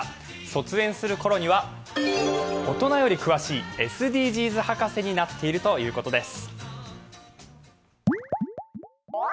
卒園するころには、大人より詳しいＳＤＧｓ博士になっているということです。